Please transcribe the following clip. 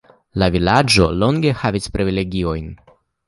La vilaĝo longe havis privilegiojn.